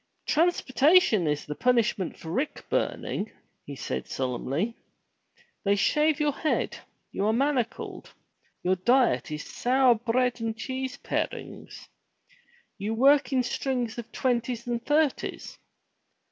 "Transportation is the punishment for rick burning," he said solemnly. "They shave your head. You are manacled. Your diet is sour bread and cheese parings. You work in strings of twenties and thirties.